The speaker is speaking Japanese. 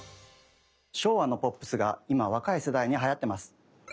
昭和のポップスが今若い世代にはやってます。